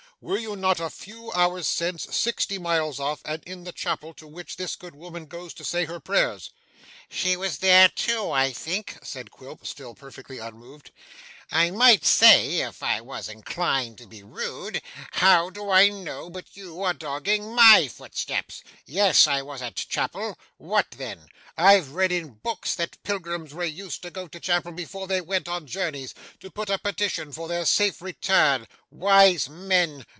'Were you not a few hours since, sixty miles off, and in the chapel to which this good woman goes to say her prayers?' 'She was there too, I think?' said Quilp, still perfectly unmoved. 'I might say, if I was inclined to be rude, how do I know but you are dogging MY footsteps. Yes, I was at chapel. What then? I've read in books that pilgrims were used to go to chapel before they went on journeys, to put up petitions for their safe return. Wise men!